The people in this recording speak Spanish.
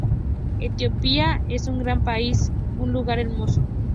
Etiopía es un gran país, un lugar hermoso.